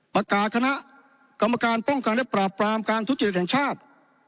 คณะกรรมการป้องกันและปราบปรามการทุจริตแห่งชาติ